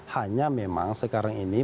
hanya memang sekarang ini